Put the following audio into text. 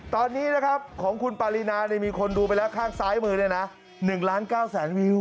ตอนนี้นะครับมีคนดูไปแล้วข้างซ้ายมือเนี่ยนะ๑๙๐๐๐๐๐วิว